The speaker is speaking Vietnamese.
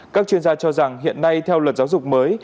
các chuyên gia cho rằng hiện nay theo luật giáo dục mới